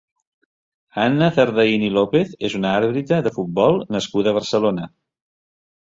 Anna Zardaín i López és una àrbitra de futbol nascuda a Barcelona.